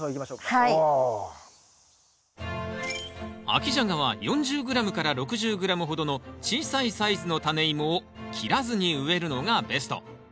秋ジャガは４０ｇ６０ｇほどの小さいサイズのタネイモを切らずに植えるのがベスト。